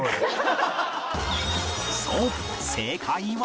そう正解は